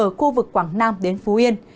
ở khu vực quảng nam đến phú yên